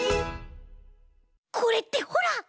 これってほら！